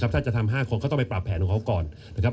ถ้าจะทำ๕คนก็ต้องไปปรับแผนของเขาก่อนนะครับ